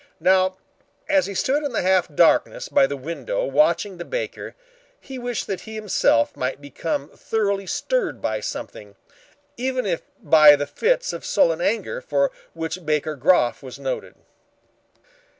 Now, as he stood in the half darkness by the window watching the baker, he wished that he himself might become thoroughly stirred by something, even by the fits of sullen anger for which Baker Groff was noted.